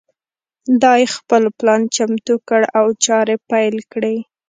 دای خپل پلان چمتو کړ او چارې پیل کړې.